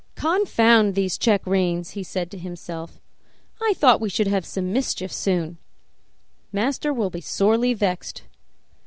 "Confound these check reins!" he said to himself; "I thought we should have some mischief soon. Master will be sorely vexed.